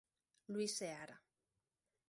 Luís Seara.